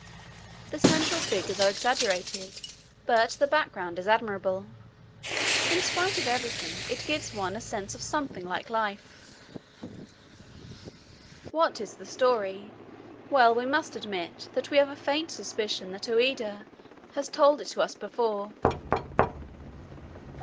The central figures are exaggerated, but the background is admirable. In spite of everything, it gives one a sense of something like life. What is the story? Well, we must admit that we have a faint suspicion that Ouida has told it to us before.